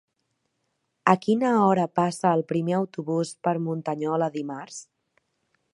A quina hora passa el primer autobús per Muntanyola dimarts?